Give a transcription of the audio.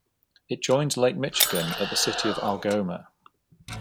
It joins Lake Michigan at the city of Algoma.